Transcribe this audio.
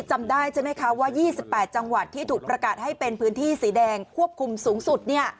จำได้ใช่ไหมคะว่า๒๘จังหวัดที่ถูกประกาศให้เป็นพื้นที่สีแดงควบคุมสูงสุด